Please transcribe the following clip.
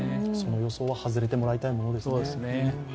その予想は外れてもらいたいものですね。